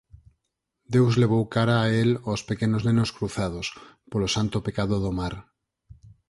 Deus levou cara a el ós pequenos nenos cruzados, polo santo pecado do mar